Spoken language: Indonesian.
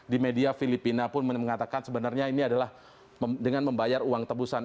di media filipina pun mengatakan sebenarnya ini adalah dengan membayar uang tebusan